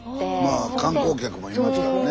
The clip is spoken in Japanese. まあ観光客もいますからね。